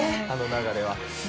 あの流れは。